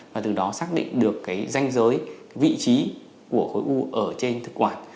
và từ đó xác định được cái danh giới vị trí của khối u ở trên thực quản